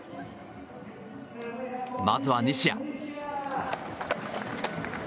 まずは西矢。